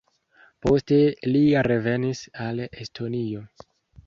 Poste li revenis al Estonio.